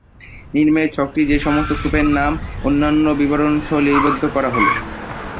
নিম্নের ছকটিতে সেসমস্ত কূপের নাম অন্যান্য বিবরণসহ লিপিবদ্ধ করা হলো।